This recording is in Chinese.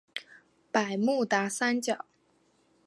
百慕达三角。